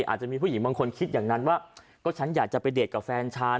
อาจจะมีผู้หญิงบางคนคิดอย่างนั้นว่าก็ฉันอยากจะไปเดทกับแฟนชาย